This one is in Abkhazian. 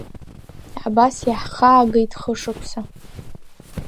Абас иаҳхаагеит хышықәса.